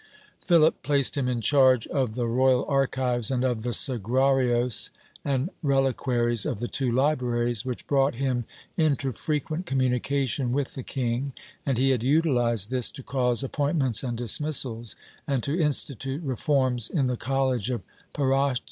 Philip placed him in charge of the royal archives and of the sagrarios and reliquaries of the two libraries, which brought him into frequent communication with the king, and he had utilized this to cause appointments and dismissals, and to institute reforms in the college of Parraces.